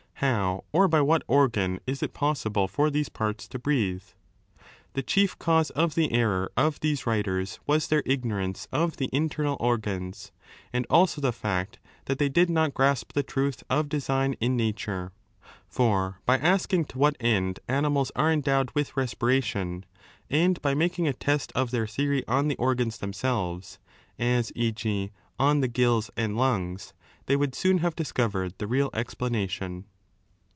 How or by what oigan is it possible for these 8 parts to breathe ? The chief cause of the error of these writers was their ignorance of the internal organs, and also the fact that they did not grasp the truth of design in nature. For by asking to what end animals are endowed with respiration, and by making a test of their theory on the oigans themselves, as, t,g.^ on the gills and lungs, they would soon have discovered the real explanation.